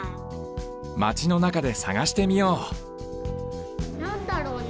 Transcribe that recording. マチのなかでさがしてみようなんだろうね。